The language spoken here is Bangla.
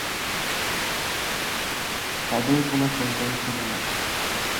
তাদের কোন সন্তান ছিল না।